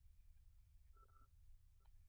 سایکل چلول د روغتیا لپاره ګټور دی.